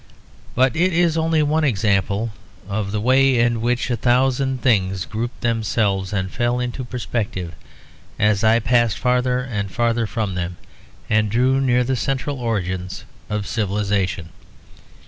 But it is only one example of the way in which a thousand things grouped themselves and fell into perspective as I passed farther and farther from them, and drew near the central origins of civilisation.